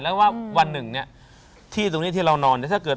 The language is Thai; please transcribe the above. แล้วว่าวันหนึ่งเนี่ยที่ตรงนี้ที่เรานอนเนี่ยถ้าเกิด